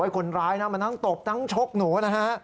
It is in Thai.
คนร้ายมาทั้งตบทั้งชกหนู